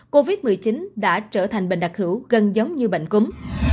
covid một mươi chín đã trở thành bệnh đặc hữu gần giống như bệnh cúm